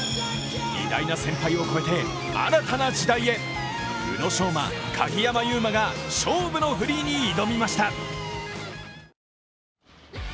偉大な先輩を超えて、新たな時代へ宇野昌磨、鍵山優真が勝負のフリーに挑みました。